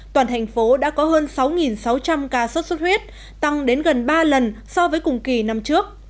toàn thành phố đã có hơn sáu sáu trăm linh ca sốt xuất huyết tăng đến gần ba lần so với cùng kỳ năm trước